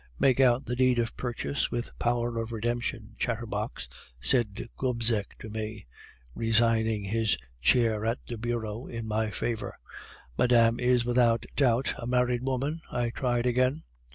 "'Make out the deed of purchase with power of redemption, chatterbox,' said Gobseck to me, resigning his chair at the bureau in my favor. "'Madame is without doubt a married woman?' I tried again.